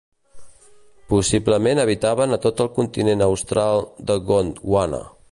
Possiblement habitaven a tot el continent austral de Gondwana.